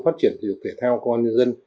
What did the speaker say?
phát triển thể dục thể thao công an nhân dân